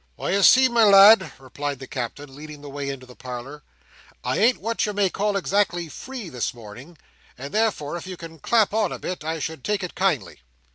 "Why, you see, my lad," replied the Captain, leading the way into the parlour, "I ain't what you may call exactly free this morning; and therefore if you can clap on a bit, I should take it kindly."